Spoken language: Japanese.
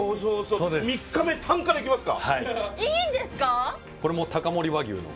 ３日目、タンから行きますか。